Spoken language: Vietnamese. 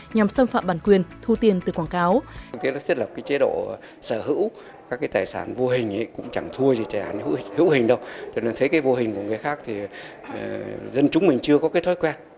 nhằm xâm phạm bản quyền thu tiền từ quảng cáo